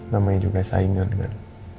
namanya juga saingan kan